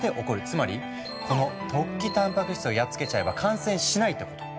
つまりこの突起たんぱく質をやっつけちゃえば感染しないってこと。